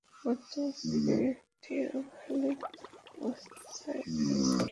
বর্তমানে এটি অবহেলিত অবস্থায় রয়েছে।